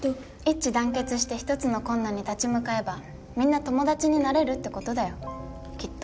一致団結して一つの困難に立ち向かえばみんな友達になれるって事だよきっと。